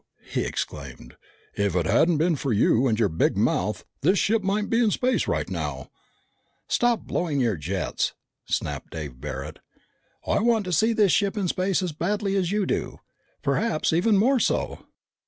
he exclaimed. "If it hadn't been for you and your big mouth, this ship might be in space right now!" "Stop blowing your jets!" snapped Dave Barret. "I want to see this ship in space as badly as you do. Perhaps even more so.